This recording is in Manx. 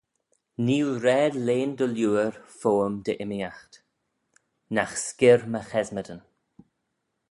Nee oo raad lhean dy liooar foym dy immeeaght: nagh skyrr my chesmadyn.